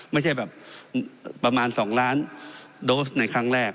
ไม่ใช่แบบประมาณ๒ล้านโดสในครั้งแรก